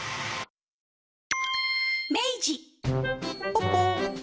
ポッポー。